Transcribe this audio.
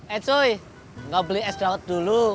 eh cuy engkau beli es dawet dulu